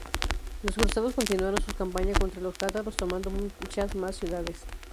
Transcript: Los cruzados continuaron su campaña contra los cátaros, tomando muchas más ciudades.